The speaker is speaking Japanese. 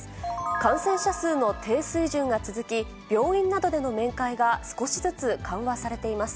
感染者数の低水準が続き、病院などでの面会が少しずつ緩和されています。